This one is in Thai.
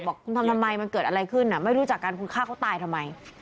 บอกคุณทำทำไมมันเกิดอะไรขึ้นไม่รู้จักกันคุณฆ่าเขาตายทำไม